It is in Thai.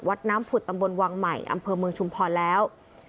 วัดน้ำผุดตำบลวังใหม่อำเภอเมืองชุมพรแล้ว